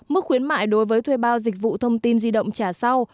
mức khuyến mại đối với thuê bao dịch vụ thông tin di động trả sau